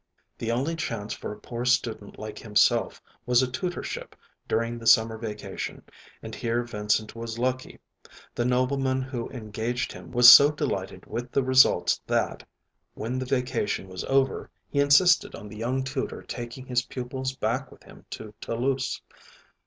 The only chance for a poor student like himself was a tutorship during the summer vacation, and here Vincent was lucky. The nobleman who engaged him was so delighted with the results that, when the vacation was over, he insisted on the young tutor taking his pupils back with him to Toulouse.